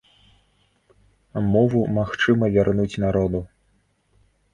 Мову магчыма вярнуць народу.